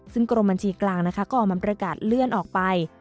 ซึ่งกรมบัญชีกลางนะคะก็ออกมาประกาศเลื่อนออกไป